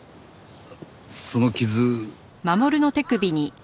その傷。